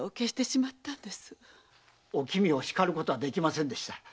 お君を叱ることはできませんでした。